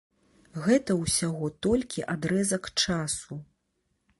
Гэта ўсяго толькі адрэзак часу.